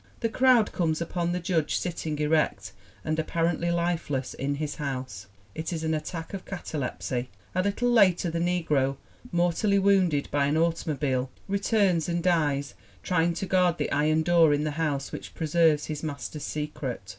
The crowd comes upon the Judge sitting erect and appar ently lifeless in his house ! It is an attack of catalepsy. A little later the negro, mortally wounded by an auto mobile, returns and dies trying to guard the iron door in the house which preserves his master's secret.